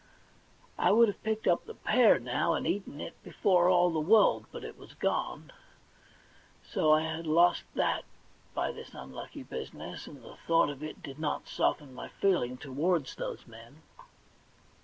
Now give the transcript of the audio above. I would have picked up the pear, now, and eaten it before all the world, but it was gone ; so I had lost that by this unlucky business, and the thought of it did not soften my feeling towards those men.